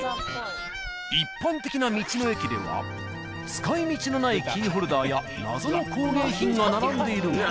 一般的な道の駅では使いみちのないキーホルダーや謎の工芸品が並んでいるが。